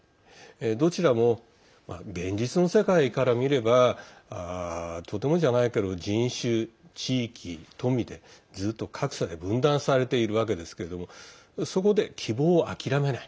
どちらも現実の世界から見ればとてもじゃないけど人種、地域、富で、ずっと格差で分断されているわけですけれどもそこで希望を諦めない。